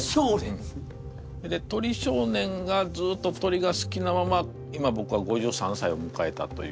で鳥少年がずっと鳥が好きなまま今ぼくは５３歳をむかえたという。